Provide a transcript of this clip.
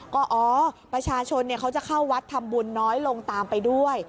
ก็อ๋อประชาชนเขาจะเข้าวัดทำบุญน้อยลงตามไปด้วย